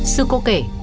sư cô kể